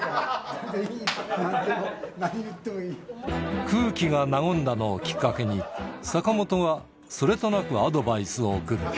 全然いいから、何言ってもい空気が和んだのをきっかけに、坂本がそれとなくアドバイスを送る。